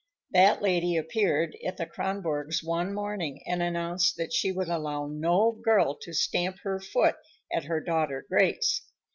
That lady appeared at the Kronborgs' one morning and announced that she would allow no girl to stamp her foot at her daughter Grace.